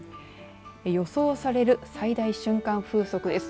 予想される最大瞬間風速です。